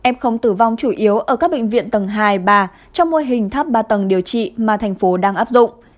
f tử vong chủ yếu ở các bệnh viện tầng hai ba trong môi hình thấp ba tầng điều trị mà thành phố đang áp dụng